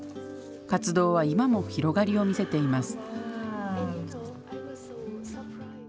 活動は今も広がりを見せています。